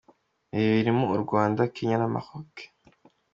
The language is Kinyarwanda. Ibi birimo u Rwanda, Kenya na Maroc.